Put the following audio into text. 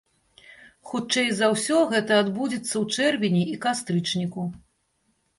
Хутчэй за ўсё гэта адбудзецца ў чэрвені і кастрычніку.